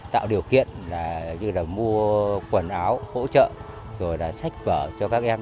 tạo điều kiện như là mua quần áo hỗ trợ rồi sách vở cho các em